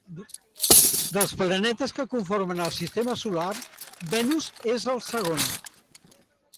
Dels planetes que conformen el sistema solar, Venus és el segon.